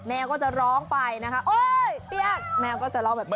แมวก็จะร้องไปนะคะโอ๊ยเปี๊ยกแมวก็จะเล่าแบบนี้